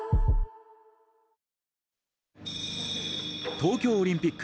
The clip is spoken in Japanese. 東京オリンピック